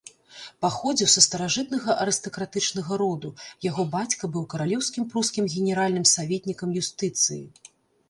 Паходзіў са старажытнага арыстакратычнага роду, яго бацька быў каралеўскім прускім генеральным саветнікам юстыцыі.